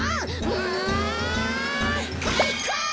うんかいか！